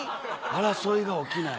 争いが起きない。